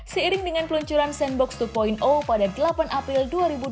seiring dengan peluncuran sandbox dua pada delapan april dua ribu dua puluh